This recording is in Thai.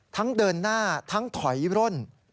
เดินหน้าทั้งถอยร่น